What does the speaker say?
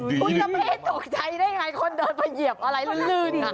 คนเดินไปเหยียบอะไรลื่น